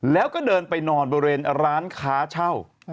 แล้วก็เดินไปนอนบริเวณร้านค้าเช่า